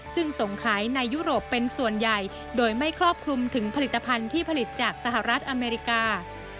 ซึ่งส่งขายในยุโรปเป็นส่วนใหญ่โดยไม่ครอบคลุมถึงผลิตภัณฑ์ที่ผลิตจากสหรัฐอเมริกา